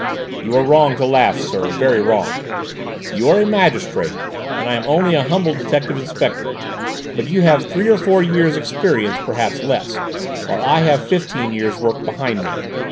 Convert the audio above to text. "You are wrong to laugh, sir; very wrong. You are a magistrate and I am only a humble detective inspector, but you have three or four years' experience, perhaps less, while I have fifteen years' work behind me.